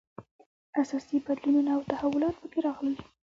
اساسي بدلونونه او تحولات په کې راغلل.